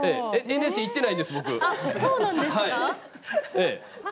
ＮＳＣ行ってないです僕。